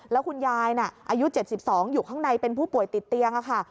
แล้วคุณยายอายุ๗๒อยู่ข้างในเป็นผู้ป่วยติดเตียงค่ะ